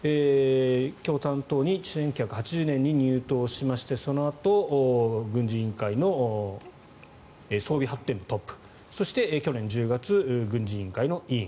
共産党に１９８０年に入党しましてそのあと軍事委員会の装備発展部トップそして、去年１０月軍事委員会の委員。